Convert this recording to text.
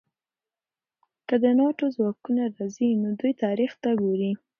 که د ناټو ځواکونه راځي، نو دوی تاریخ ته ګوري.